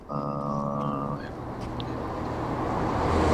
এগুলো ইন্টারনেট থেকে যেমন কেনা যায়, তেমনি বিনা মূল্যেও নামিয়ে নেওয়া যায়।